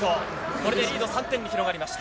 これでリード３点に広がりました。